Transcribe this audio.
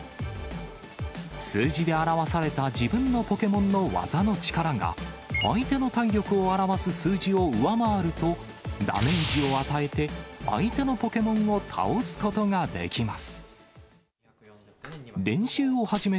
数字で表された自分のポケモンの技の力が、相手の体力を表す数字を上回ると、ダメージを与えて、相手のポケモンを倒すことができます。